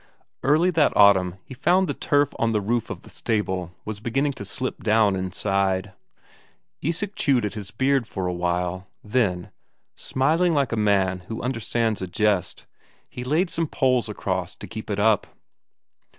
Early that autumn he found the turf on the roof of the stable was beginning to slip down inside. Isak chewed at his beard for a while, then, smiling like a man who understands a jest, he laid some poles across to keep it up.